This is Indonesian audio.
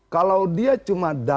kalau dia cuma dat dia dua